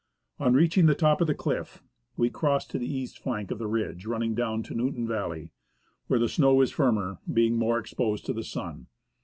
On reaching the top of the cliff, we cross to the east flank of the ridge running down to Newton Valley, where the snow is firmer, being more exposed to the sun.